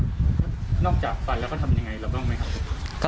นอกจากฟันแล้วก็ทำยังไงเราบ้างไหมครับ